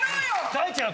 大ちゃん